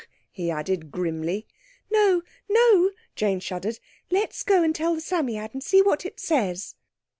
_" he added grimly. "No, no!" Jane shuddered. "Let's go and tell the Psammead and see what it says."